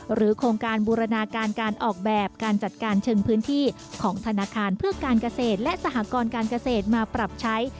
โครงการบูรณาการการออกแบบการจัดการเชิงพื้นที่ของธนาคารเพื่อการเกษตรและสหกรการเกษตรมาปรับใช้